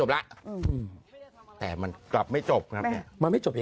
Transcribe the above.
พลิกต๊อกเต็มเสนอหมดเลยพลิกต๊อกเต็มเสนอหมดเลย